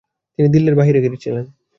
তিনি দিল্লির বাইরে গেছিলেন।